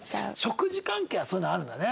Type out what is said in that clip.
食事関係はそういうのあるんだね。